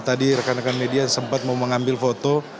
tadi rekan rekan media sempat mau mengambil foto